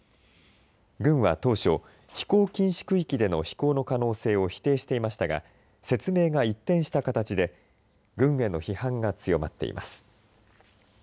軍は当初、飛行禁止区域での飛行の可能性を否定していましたが説明が一転した形で軍への批判が強まっています。